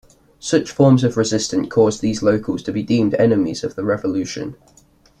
Such forms or resistance caused these locals to be deemed enemies of the Revolution.